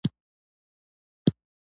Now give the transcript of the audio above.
دښتې یې لکه افغانستان شنې نه وې.